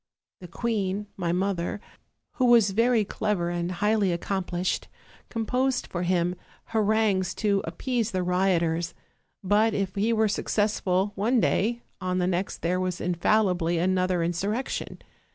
The queen, my mother, who was very clever and highly accomplished, composed for him ha rangues to appease the rioters; but if he were successful one day, on the next there was infallibly another insur rection.